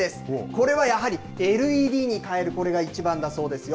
これはやはりＬＥＤにかえる、これが一番だそうですよ。